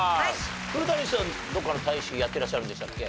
黒谷さんどこかの大使やってらっしゃるんでしたっけ？